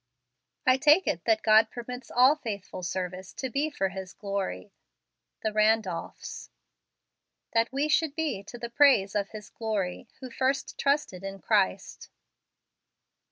I take it that God permits all faithful service to be for His glory. The Randolphs. " That we should be to the praise of his glory, who first trusted in Christ